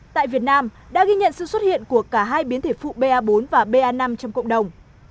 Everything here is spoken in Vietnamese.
tại việt nam đã ghi nhận sự xuất hiện của cả hai biến thể phụ ba bốn và ba năm trong cộng đồng